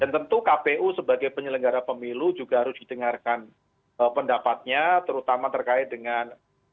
dan tentu kpu sebagai penyelenggara pemilu juga harus didengarkan pendapatnya terutama terkait dengan